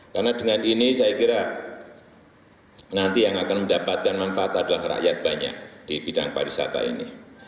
karena dengan ini saya kira nanti yang akan mendapatkan manfaat adalah rakyat banyak di bidang pariwisata ini